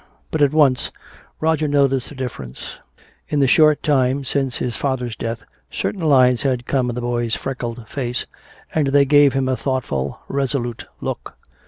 But at once Roger noticed a difference. In the short time since his father's death certain lines had come in the boy's freckled face, and they gave him a thoughtful, resolute look.